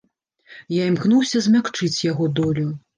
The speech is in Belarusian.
Я імкнуўся змякчыць яго долю.